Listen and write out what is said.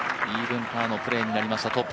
イーブンパーのプレーになりました。